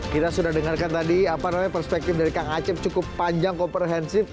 kita sudah dengarkan tadi apa namanya perspektif dari kang acep cukup panjang komprehensif